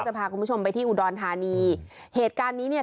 พาคุณผู้ชมไปที่อุดรธานีเหตุการณ์นี้เนี่ย